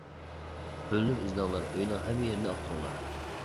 — بۆلۈنۈپ ئىزدەڭلار، ئۆينىڭ ھەممە يېرىنى ئاختۇرۇڭلار.